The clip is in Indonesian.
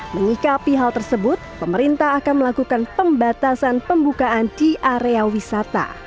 menyikapi hal tersebut pemerintah akan melakukan pembatasan pembukaan di area wisata